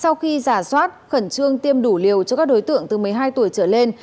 sau khi giả soát khẩn trương tiêm đủ liều cho các đối tượng từ một mươi hai tuổi trở lên